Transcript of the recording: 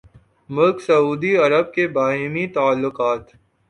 ملک سعودی عرب کے باہمی تعلقات